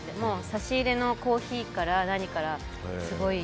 差し入れのコーヒーから何からすごい。